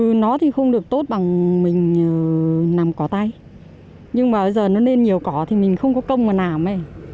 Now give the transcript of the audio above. ừ nó thì không được tốt bằng mình làm cỏ tay nhưng mà bây giờ nó nên nhiều cỏ thì mình không có công mà làm ấy